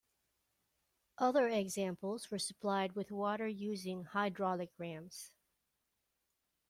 Other examples were supplied with water using hydraulic rams.